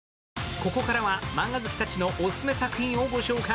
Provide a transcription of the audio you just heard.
ここからはマンガ好きたちのおすすめ作品をご紹介。